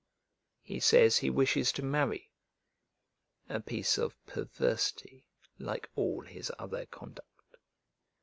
He says he wishes to marry, a piece of perversity, like all his other conduct.